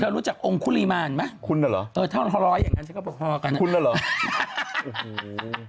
เธอรู้จักองค์คุรีมารไหมถ้าร้อยอย่างนั้นฉันก็บอกพ่อกันนะครับคุณน่ะหรือ